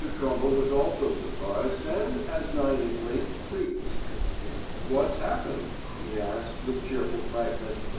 Trumble was also surprised and, as naively, pleased. "What's happened?" he asked with cheerful frankness.